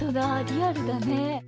リアルだね。